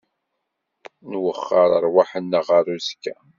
Nwexxer ṛṛwaḥ-nneɣ ɣer uzekka.